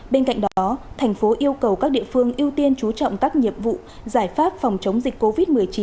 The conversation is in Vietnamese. bên cạnh đó thành phố yêu cầu các địa phương ưu tiên chú trọng các nhiệm vụ giải pháp phòng chống dịch covid một mươi chín